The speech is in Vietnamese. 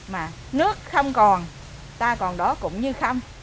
mà nước không còn ta còn đó cũng như không